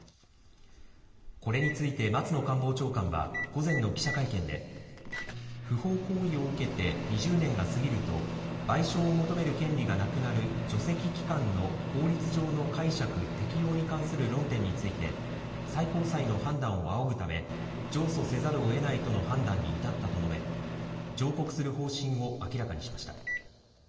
これについて松野官房長官は午前の記者会見で不法行為を受けて２０年が過ぎると賠償を求める権利がなくなる除斥期間の法律上の解釈・適用に関する論点について最高裁の判断を仰ぐため上訴せざるをえないとの判断に至ったと述べ上告する方針を明らかにしました。